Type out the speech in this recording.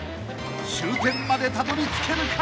［終点までたどりつけるか！？］